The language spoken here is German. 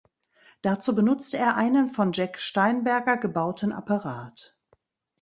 Dazu benutzte er einen von Jack Steinberger gebauten Apparat.